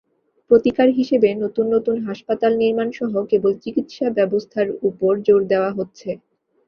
প্রতিকার হিসেবে নতুন নতুন হাসপাতাল নির্মাণসহ কেবল চিকিৎসাব্যবস্থার ওপর জোর দেওয়া হচ্ছে।